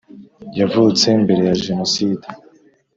Yavutse mbere ya genocide